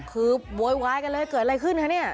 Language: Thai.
คือโวยวายกันเลยเกิดอะไรขึ้นคะเนี่ย